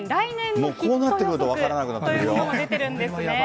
こうなってくると分からなくなってくるよ。